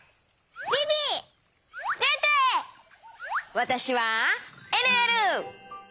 わたしはえるえる！